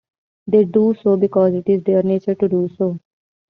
They do so because it is their "nature" to do so.